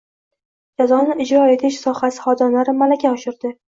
Jazoni ijro etish sohasi xodimlari malaka oshirdi